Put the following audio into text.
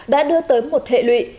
đã đưa tới một hệ lụy